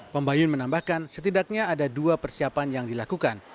pembayun menambahkan setidaknya ada dua persiapan yang dilakukan